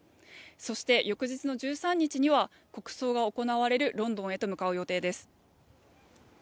そして翌日の１３日には国葬が行われるロンドンへと向かう予定です。